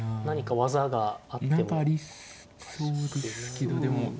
何か技があっても。